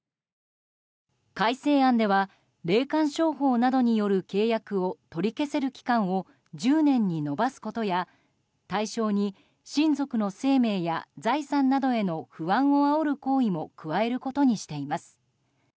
改正案では、霊感商法などによる契約を取り消せる期間を１０年に延ばすことや対象に、親族の生命や財産などへの不安をあおる行為も加えることにしています。